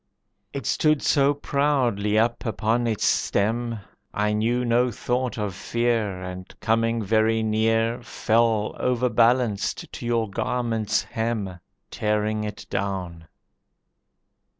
It stood so proudly up upon its stem, I knew no thought of fear, And coming very near Fell, overbalanced, to your garment's hem, Tearing it down.